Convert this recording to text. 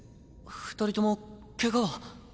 二人ともケガは？